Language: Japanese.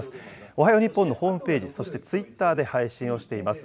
おはよう日本のホームページ、そしてツイッターで配信をしています。